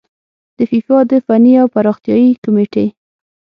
د فیفا د فني او پراختیايي کميټې